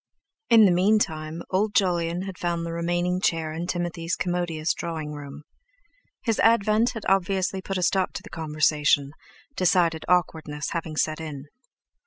In the meantime old Jolyon had found the remaining chair in Timothy's commodious drawing room. His advent had obviously put a stop to the conversation, decided awkwardness having set in.